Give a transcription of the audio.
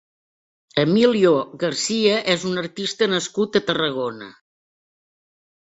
Emilio Garcia és un artista nascut a Tarragona.